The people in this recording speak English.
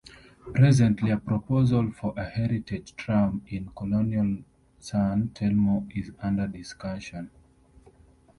Presently a proposal for a heritage tram in colonial San Telmo is under discussion.